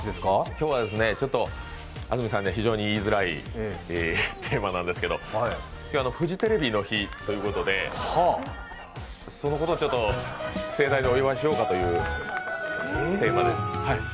今日は安住さんには非常に言いづらいテーマなんですけど今日はフジテレビの日ということで、そのことをちょっと盛大にお祝いしようというテーマです。